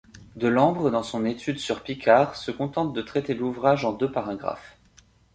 Delambre, dans son étude sur Picard, se contente de traiter l'ouvrage en deux paragraphes.